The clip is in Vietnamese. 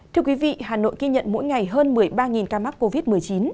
thưa quý vị hà nội ghi nhận mỗi ngày hơn một mươi ba ca mắc covid một mươi chín